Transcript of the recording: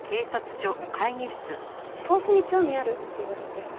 韮崎さんから「投資に興味ある？」って言われて。